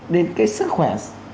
đến cái sức khỏe